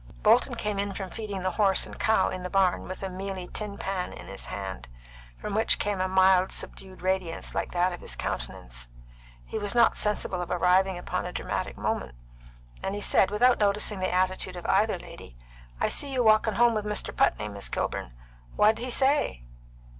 Bolton came in from feeding the horse and cow in the barn, with a mealy tin pan in his hand, from which came a mild, subdued radiance like that of his countenance. He was not sensible of arriving upon a dramatic moment, and he said, without noticing the attitude of either lady: "I see you walkin' home with Mr. Putney, Miss Kilburn. What'd he say?"